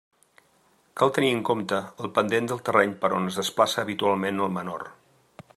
Cal tenir en compte el pendent del terreny per on es desplaça habitualment el menor.